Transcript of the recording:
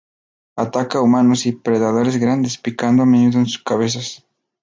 Ataca a humanos y predadores grandes, picando a menudo en sus cabezas.